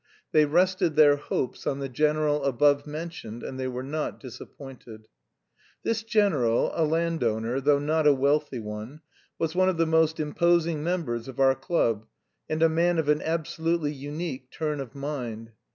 They rested their hopes on the general above mentioned, and they were not disappointed. This general, a landowner, though not a wealthy one, was one of the most imposing members of our club, and a man of an absolutely unique turn of mind.